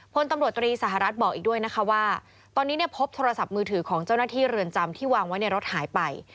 พลตำรวจตรีสหรัฐบอกอีกด้วยนะคะว่าตอนนี้เนี่ยพบโทรศัพท์มือถือของเจ้าหน้าที่เรือนจำที่วางไว้ในรถหายไป